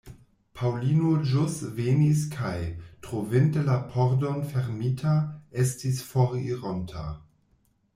Paŭlino ĵus venis kaj, trovinte la pordon fermita, estis forironta.